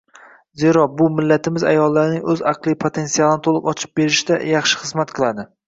Zero bu millatimiz ayollarining oʻz aqliy potensialini toʻliq ochib berishda yaxshi hizmat qiladi.